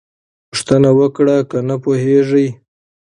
پوښتنه وکړه که نه پوهېږې.